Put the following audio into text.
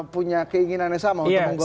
punya keinginan yang sama untuk membuka